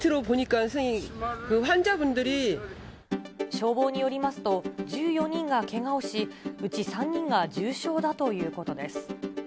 消防によりますと、１４人がけがをし、うち３人が重傷だということです。